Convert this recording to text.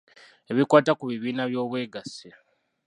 Ebikwata ku bibiina by’Obwegassi.